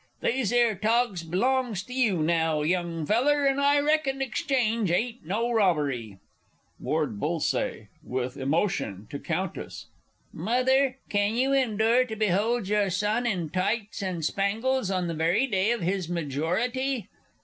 These 'ere togs belong to you now, young feller, and I reckon exchange ain't no robbery. Lord B. (with emotion, to Countess). Mother, can you endure to behold your son in tights and spangles on the very day of his majority?